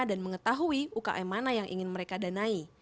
dan mengetahui ukm mana yang ingin mereka danai